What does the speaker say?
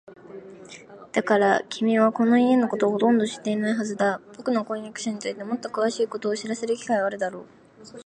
だから、君はこの家のことはほとんど知っていないはずだ。ぼくの婚約者についてもっとくわしいことを知らせる機会はあるだろう。